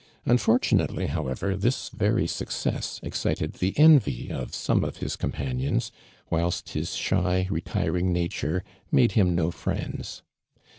I'lifortunate ly, however, this very success i xcited the envy of some of his companions, whilst his shy, retiring natme, mixile him no IrieiKU.